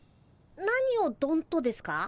何を「どんと」ですか？